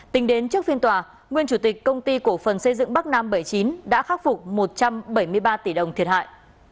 tính đến trước phiên tòa nguyên chủ tịch công ty cổ phần xây dựng bắc nam bảy mươi chín đã khắc phục một trăm bảy mươi ba tỷ đồng thiệt hại